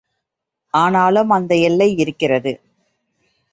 ஆனாலும் அந்த எல்லை இருக்கிறது.